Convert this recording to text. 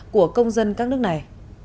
của công dân các nước này